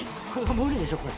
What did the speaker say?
無理でしょこれ。